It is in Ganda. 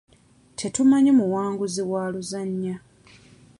Tetumanyi muwanguzi waluzannya.